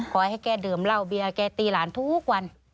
ให้แกดื่มเหล้าเบียร์แกตีหลานทุกวัน